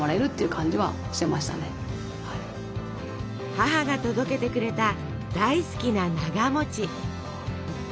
母が届けてくれた大好きななが。